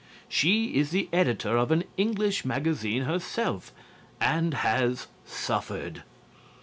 She is the editor of an English magazine herself, and has suffered.